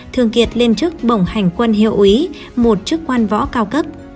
thường kiệt lên chức bổng hành quân hiệu úy một chức quan võ cao cấp